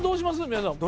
皆さん。